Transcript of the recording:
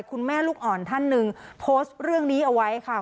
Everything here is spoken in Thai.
ลูกอ่อนท่านหนึ่งโพสต์เรื่องนี้เอาไว้ค่ะ